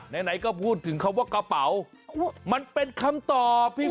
ไหนก็พูดถึงคำว่ากระเป๋ามันเป็นคำตอบพี่